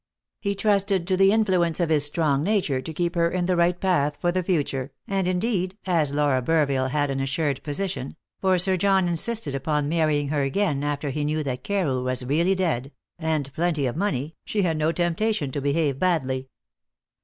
He trusted to the influence of his strong nature to keep her in the right path for the future, and, indeed, as Laura Burville had an assured position for Sir John insisted upon marrying her again after he knew that Carew was really dead and plenty of money, she had no temptation to behave badly.